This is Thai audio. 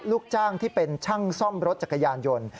ลูกจ้างที่เป็นช่างซ่อมรถจักรยานยนต์